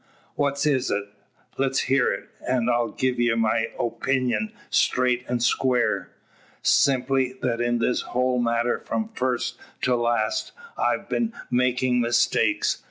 "What is't? Let's hear it, an' I'll gie ye my opeenyun strait an' square." "Simply, that in this whole matter from first to last, I've een making mistakes.